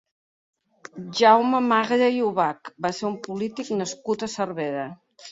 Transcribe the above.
Jaume Magre i Ubach va ser un polític nascut a Cervera.